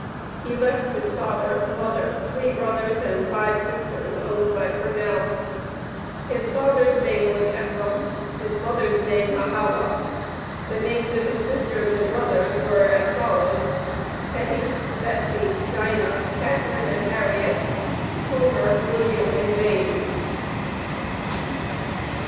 He left his father, mother, three brothers and five sisters owned by Purnell. His father's name was Ephraim, his mother's name Mahala. The names of his sisters and brothers were as follows: Hetty, Betsy, Dinah, Catharine and Harriet; Homer, William and James.